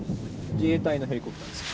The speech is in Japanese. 自衛隊のヘリコプターですか？